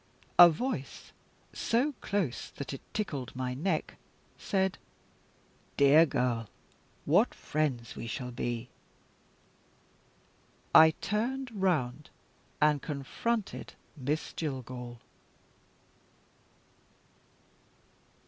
A voice, so close that it tickled my neck, said: "Dear girl, what friends we shall be!" I turned round, and confronted Miss Jillgall.